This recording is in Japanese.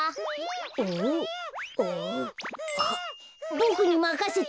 ボクにまかせて。